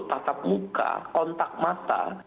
tatap muka kontak mata